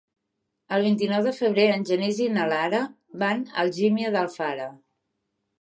El vint-i-nou de febrer en Genís i na Lara van a Algímia d'Alfara.